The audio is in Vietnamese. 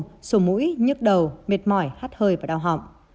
bao gồm sổ mũi nhức đầu mệt mỏi hắt hơi và đau họng